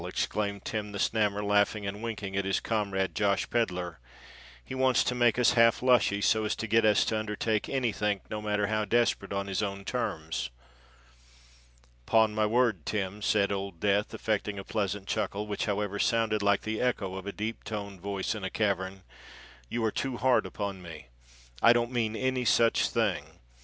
exclaimed Tim the Snammer, laughing and winking at his comrade, Josh Pedler; "he wants to make us half lushy so as to get us to undertake anythink, no matter how desperate, on his own terms." "'Pon my word, Tim," said Old Death, affecting a pleasant chuckle, which however sounded like the echo of a deep toned voice in a cavern, "you are too hard upon me. I don't mean any such thing.